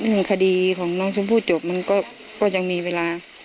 ถ้านึงคดีของน้องชมพูดจบมันก็สมมุติหนึ่ง